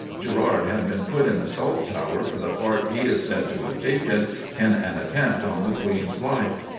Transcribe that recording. Gerard had been put in the Salt Tower for the part he is said to have taken in an attempt on the Queen's life.